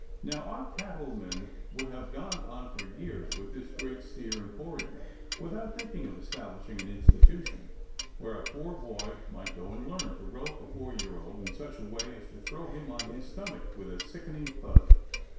Now, our cattleman would have gone on for years with his great steer emporium without thinking of establishing an institution where a poor boy might go and learn to rope a 4 year old in such a way as to throw him on his stomach with a sickening thud.